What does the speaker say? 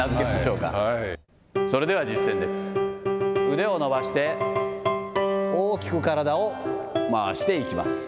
腕を伸ばして大きく体を回していきます。